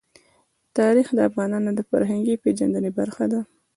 تاریخ د افغانانو د فرهنګي پیژندنې برخه ده.